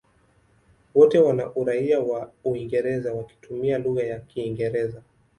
Wote wana uraia wa Uingereza wakitumia lugha ya Kiingereza.